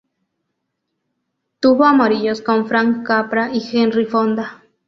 Tuvo amoríos con Frank Capra y Henry Fonda.